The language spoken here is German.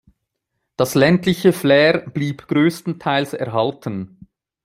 Das ländliche Flair blieb größtenteils erhalten.